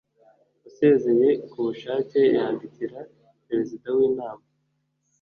usezeye ku bushake yandikira perezida w inama